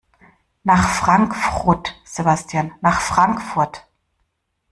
Nach Frankfrut Sebastian, nach Frankfurt!